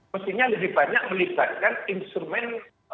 mestinya lebih banyak melibatkan instrumen